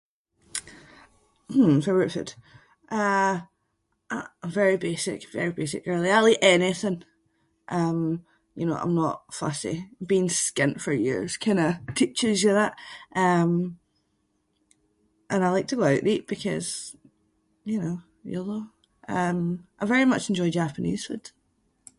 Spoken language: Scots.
Hmm, favourite food. Uh- uh very basic, very basic girlie- I’ll eat anything. Um you know I’m not fussy. Being skint for years kind of teaches you that. Um and I like to go out and eat because, you know, YOLO. Um I very much enjoy Japanese food.